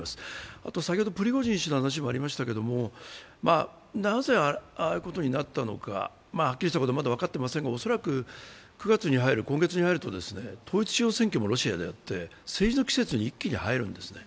あと、プリゴジン氏の話もありましたがなぜああいうことになったのかはっきりしたことはまだ分かっていませんが恐らく今月に入ると統一地方選挙がロシアは始まって政治の季節に一気に入るんです。